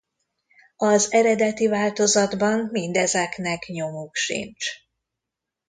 Az eredeti változatban mindezeknek nyomuk sincs.